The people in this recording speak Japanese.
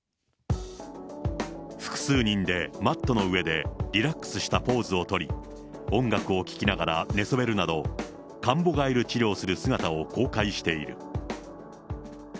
複数人でマットの上でリラックスしたポーズを取り、音楽を聴きながら寝そべるなど、カンボ蛙治療する姿を公開している。